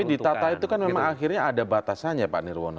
tapi ditata itu kan memang akhirnya ada batasannya pak nirwono